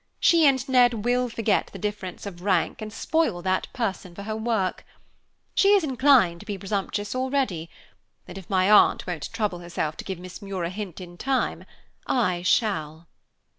She and Ned will forget the difference of rank and spoil that person for her work. She is inclined to be presumptuous already, and if my aunt won't trouble herself to give Miss Muir a hint in time, I shall."